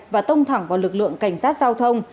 và tông thẳng vào lực lượng cảnh sát giao thông